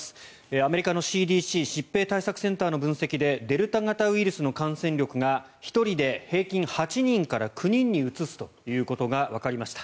アメリカのＣＤＣ・疾病対策センターの分析でデルタ型ウイルスの感染力が１人で平均８人から９人にうつすということがわかりました。